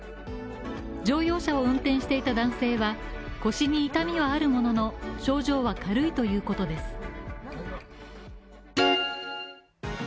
乗用車を運転していた男性は腰に痛みはあるものの、症状は軽いということです。